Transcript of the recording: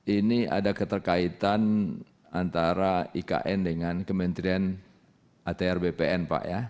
ini ada keterkaitan antara ikn dengan kementerian atr bpn pak ya